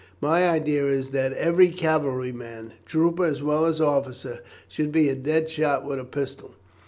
My idea is, that every cavalry man trooper as well as officer should be a dead shot with a pistol.